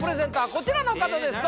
こちらの方です・え誰？